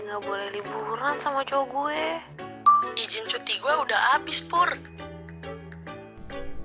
nggak boleh liburan sama cowok gue izin cuti gua udah abis pur jujur gue agak takut traveling sendiri